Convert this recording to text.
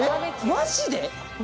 マジで？